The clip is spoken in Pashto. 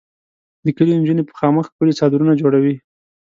د کلي انجونې په خامک ښکلي څادرونه جوړوي.